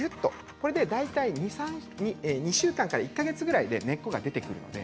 これで２週間から１か月ぐらいで根っこが出てきます。